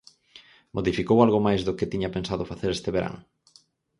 Modificou algo máis do que tiña pensado facer este verán?